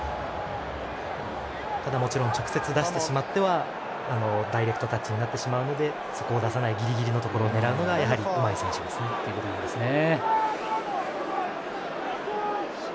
ただ、もちろん直接出してしまってはダイレクトタッチになってしまうのでそこを出さないギリギリを狙うのが、うまい選手ですね。